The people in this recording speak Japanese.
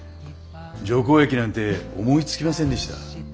除光液なんて思いつきませんでした。